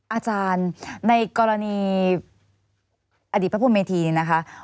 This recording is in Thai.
อาจารย์ในกรณีอดีตพระพรเมธีเนี่ยนะคะ